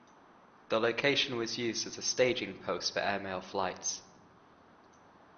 The location was used as a staging post for airmail flights.